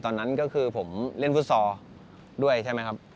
ตอนนั้นก็คือผมเล่นฟุตซอลด้วยใช่ไหมครับ